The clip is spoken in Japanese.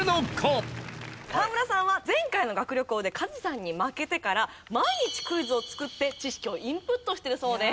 河村さんは前回の学力王でカズさんに負けてから毎日クイズを作って知識をインプットしているそうです。